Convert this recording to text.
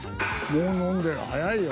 もう飲んでる早いよ。